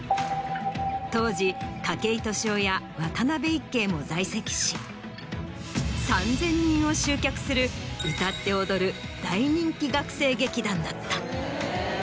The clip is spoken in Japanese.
当時。も在籍し３０００人を集客する歌って踊る大人気学生劇団だった。